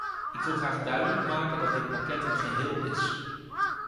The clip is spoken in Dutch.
Ik wil graag duidelijk maken dat dit pakket een geheel is.